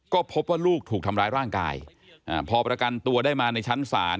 ก็พบว่าลูกถูกทำร้ายร่างกายพอประกันตัวได้มาในชั้นศาล